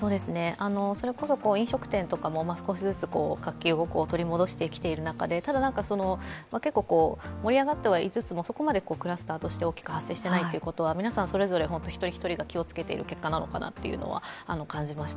それこそ飲食店なども少しずつ活気を取り戻してきている中で、ただ、結構盛り上がってはいつつもそこまでクラスターとして大きく発生していないということは、皆さんそれぞれ一人一人が気を付けている結果なのかなとは感じました。